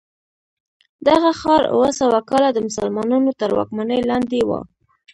دغه ښار اوه سوه کاله د مسلمانانو تر واکمنۍ لاندې و.